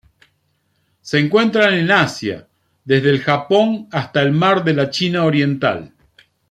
Se encuentran en Asia: desde el Japón hasta el Mar de la China Oriental.